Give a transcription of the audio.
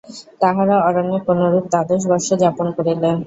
তাঁহারা অরণ্যে কোনরূপে দ্বাদশ বর্ষ যাপন করিলেন।